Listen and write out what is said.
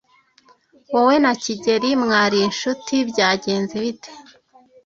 Wowe na kigeli mwari inshuti. Byagenze bite?